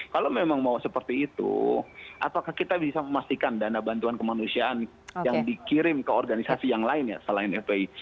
kalau memang mau seperti itu apakah kita bisa memastikan dana bantuan kemanusiaan yang dikirim ke organisasi yang lain ya selain fpi